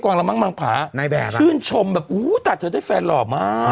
กว่าละมั้งบางผานายแบบชื่นชมแบบอู้วตัดเธอให้แฟนหล่อมาก